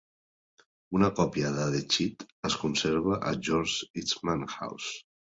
Una còpia de "The Cheat" es conserva a la George Eastman House.